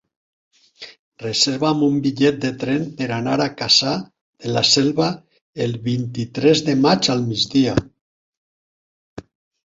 Reserva'm un bitllet de tren per anar a Cassà de la Selva el vint-i-tres de maig al migdia.